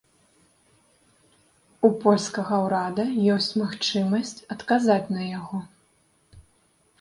У польскага ўрада ёсць магчымасць адказаць на яго.